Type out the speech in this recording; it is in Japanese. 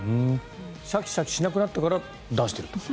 シャキシャキしなくなったから出していると。